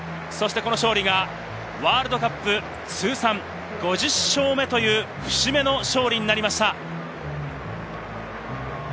この勝利がワールドカップ通算５０勝目という節目の勝利になりました。